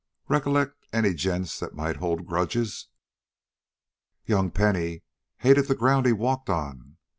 Recollect any gents that might hold grudges?" "Young Penny hated the ground he walked on.